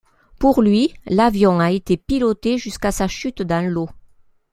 Pour lui, l'avion a été piloté jusqu'à sa chute dans l'eau.